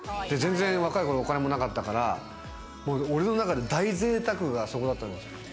若い頃はお金もなかったから、俺の中で大ぜいたくがそこだったんですよ。